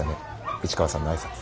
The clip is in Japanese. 市川さんの挨拶。